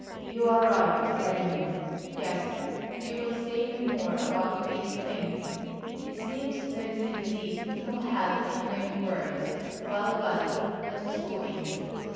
"You are right, carino. Yes, we will say no more about these things; it seems there is indeed no help in many words Well, well, let us go in."